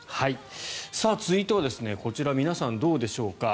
続いてはこちら皆さん、どうでしょうか。